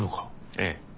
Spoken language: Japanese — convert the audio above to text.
ええ。